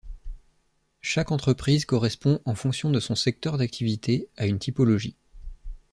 Chaque entreprise correspond, en fonction de son secteur d’activité, à une typologie.